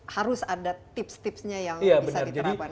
harus ada tips tipsnya yang bisa diterapkan